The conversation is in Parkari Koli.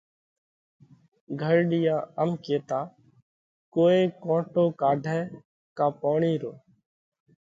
گھرڍِيئا ام ڪيتا: ڪوئي ڪونٽو ڪاڍئہ ڪا پوڻِي رو